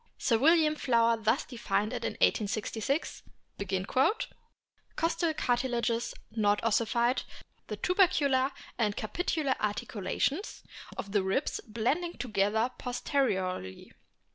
Sir William Flower thus defined it in 1866 :" Costal cartilages not ossified. The tubercular and capitular articulations of the ribs blending together posteriorly.